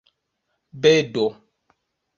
bedo